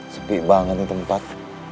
sepik banget tempat